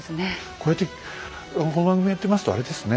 こうやってこの番組やってますとあれですね